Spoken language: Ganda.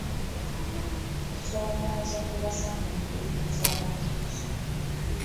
kusoomooza kwe basanga mu kuyigiriza abaana okusoma.